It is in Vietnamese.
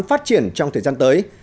phát triển trong thời gian tới